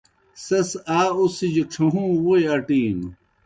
سیْس آ اُڅِھجیْ ڇھہُوں ووئی اٹِینوْ۔